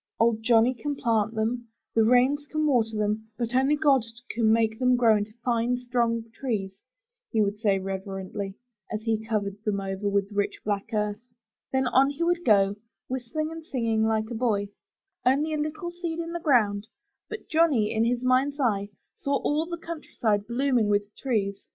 ''Old Johnny can plant them; the rains can water them; but only God can make them grow into fine, strong trees," he would say reverently, as he covered them over with rich black earth. Then on he would go, whistling or singing like a 355 MY BOOK HOUSE boy. Only a little seed in the ground, but Johnny, in his mind's eye, saw all the countryside blooming with trees.